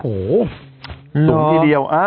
โหหรอตรงที่เดียว